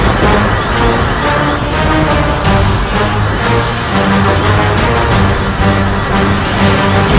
apa yang harus aku lakukan agar tenaga dalamku pulih kembali